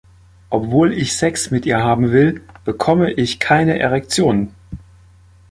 Obwohl ich Sex mit ihr haben will, bekomme ich keine Erektion.